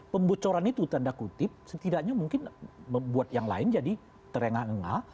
pembocoran itu tanda kutip setidaknya mungkin membuat yang lain jadi terengah engah